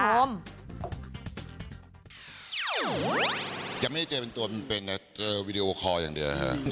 ยังไม่ได้เจอตัวเป็นแต่เจอวีดีโอคออย่างเหลือ